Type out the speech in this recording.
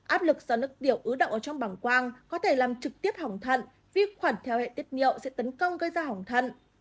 áp lực do nước tiểu ứ đọng ở trong bảng quang có thể làm trực tiếp hỏng thận vì khoản theo hệ tiết niệu sẽ tấn công gây ra hỏng thận